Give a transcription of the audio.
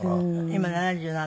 今７７？